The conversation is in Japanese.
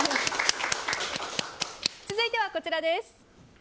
続いては、こちらです。